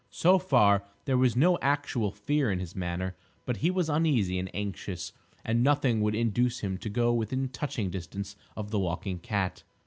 So far there was no actual fear in his manner, but he was uneasy and anxious, and nothing would induce him to go within touching distance of the walking cat.